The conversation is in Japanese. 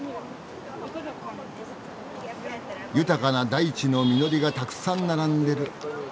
豊かな大地の実りがたくさん並んでる。